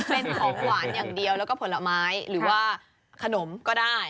เป็นของหวานอย่างเดียวแล้วก็ผลไม้หรือว่าขนมก็ได้